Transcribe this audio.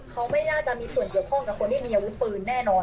เขาไม่น่าจะมีส่วนเกี่ยวข้องกับคนที่มีอาวุธปืนแน่นอน